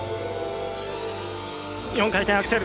４回転アクセル。